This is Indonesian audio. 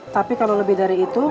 tapi kalau lebih dari itu